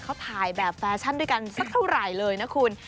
เขาถ่ายแบบแฟชั่นด้วยกันสักเท่าไหร่เลยนะคุณ